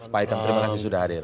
pak ikam terima kasih sudah hadir